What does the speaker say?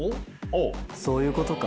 そういうことか。